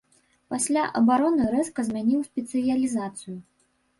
Пасля абароны рэзка змяніў спецыялізацыю.